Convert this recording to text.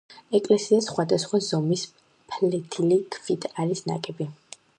ეკლესია სხვადასხვა ზომის ფლეთილი ქვით იყო ნაგები.